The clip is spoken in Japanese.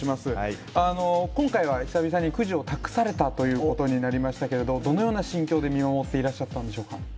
今回は久々にくじを託されたということになりましたけれどもどのような心境で見守っていらっしゃったんでしょうか？